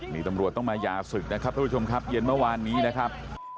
นี่ตำรวจต้องมาหย่าศึกนะครับทุกผู้ชมครับเย็นเมื่อวานนี้นะครับ